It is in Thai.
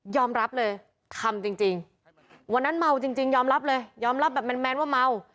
รับเลยทำจริงวันนั้นเมาจริงยอมรับเลยยอมรับแบบแมนว่าเมา